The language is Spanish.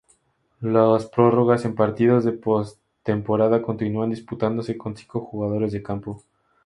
Las prórrogas en partidos de postemporada continúan disputándose con cinco jugadores de campo.